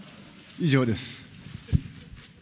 以上です。